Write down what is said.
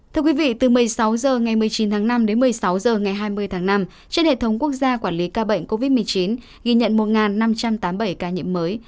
thưa quý vị từ một mươi sáu h ngày một mươi chín tháng năm đến một mươi sáu h ngày hai mươi tháng năm trên hệ thống quốc gia quản lý ca bệnh covid một mươi chín ghi nhận một năm trăm tám mươi bảy ca nhiễm mới